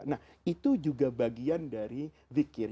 nah itu juga bagian dari zikir